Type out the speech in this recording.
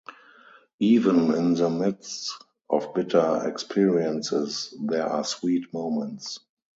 Even in the midst of bitter experiences, there are sweet moments.